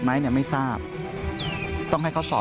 มันกลัวเอิญอย่างนี้นะครับ